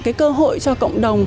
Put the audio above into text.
cái cơ hội cho cộng đồng